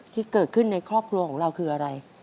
ที่เกิดขึ้นในครอบครัวของเราคืออะไร